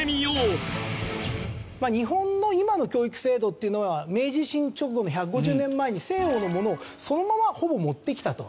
日本の今の教育制度っていうのは明治維新直後の１５０年前に西洋のものをそのままほぼ持ってきたと。